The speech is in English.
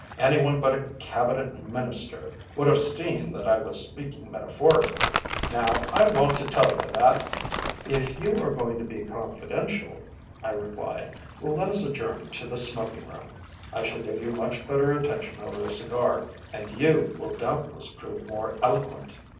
"Any one but a Cabinet Minister would have seen that I was speaking metaphorically. Now I want to tell you that " "If you are going to be confidential," I replied, "let us adjourn to the smoking room. I shall give you much better attention over a cigar, and you will doubtless prove more eloquent."